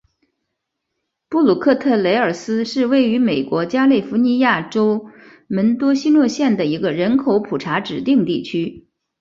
布鲁克特雷尔斯是位于美国加利福尼亚州门多西诺县的一个人口普查指定地区。